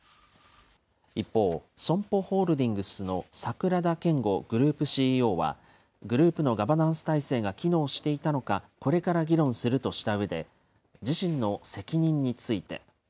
一方、ＳＯＭＰＯホールディングスの櫻田謙悟グループＣＥＯは、グループのガバナンス体制が機能していたのか、これから議論するとしたうえで、自身の責任について。